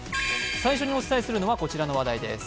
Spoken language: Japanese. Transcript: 最初にお伝えするのは、こちらの話題です。